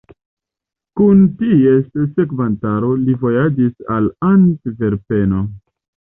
Kun ties sekvantaro li vojaĝis al Antverpeno.